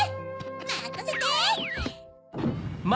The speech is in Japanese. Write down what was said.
まかせて！